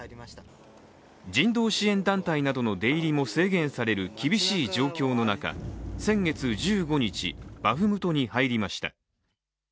人道支援団体などの出入りも制限される厳しい状況の中、先月１５日、バフムトに入りました。